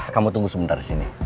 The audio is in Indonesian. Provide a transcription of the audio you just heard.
kamu tunggu sebentar disini